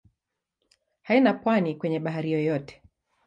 Haina pwani kwenye bahari yoyote.